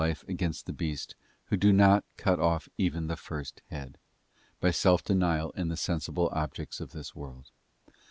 life against the beast, who do not cut off even the first head, _ py self denial in the sensible objects of this world.